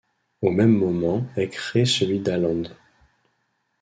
Au même moment est créé celui d’Åland.